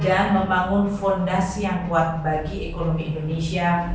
dan membangun fondasi yang kuat bagi ekonomi indonesia